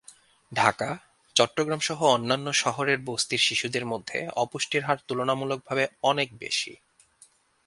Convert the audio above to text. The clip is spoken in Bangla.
ঢাকা, চট্টগ্রামসহ অন্যান্য শহরের বস্তির শিশুদের মধ্যে অপুষ্টির হার তুলনামূলকভাবে অনেক বেশি।